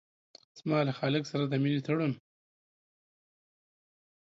زما له خالق سره د مينې تړون